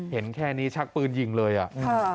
เห็นแค่นี้ชักปืนยิงเลยอ่ะ